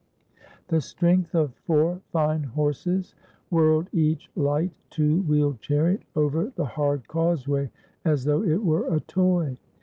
The strength of four fine horses whirled each light, two wheeled chariot over the hard causeway as though it were a toy.